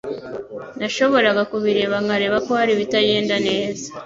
Nashoboraga kubireba nkareba ko hari ibitagenda neza.